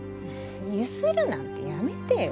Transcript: ゆするなんてやめてよ